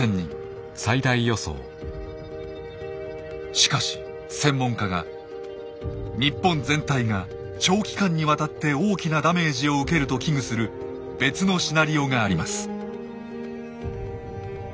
しかし専門家が日本全体が長期間にわたって大きなダメージを受けると危惧する別のシナリオがあります。